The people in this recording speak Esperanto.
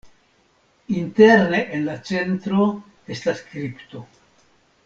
Interne en la centro estas kripto.